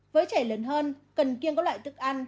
với trẻ lớn hơn cần kiêng các loại thức ăn